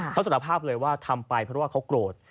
เขาสารภาพเลยว่าทำไปเพราะว่าเขาโกรธ